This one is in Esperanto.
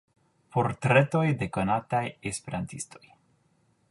Portretoj de konataj Esperantistoj.